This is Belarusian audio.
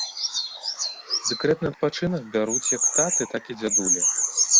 Дэкрэтны адпачынак бяруць як таты, так і дзядулі.